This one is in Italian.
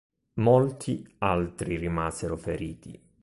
Molti altri rimasero feriti.